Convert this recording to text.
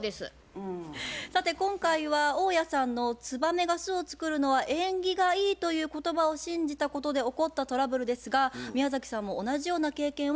さて今回は大家さんの「ツバメが巣を作るのは縁起がいい」という言葉を信じたことで起こったトラブルですが宮崎さんも同じような経験はありますか？